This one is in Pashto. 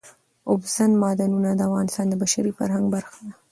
اوبزین معدنونه د افغانستان د بشري فرهنګ برخه ده.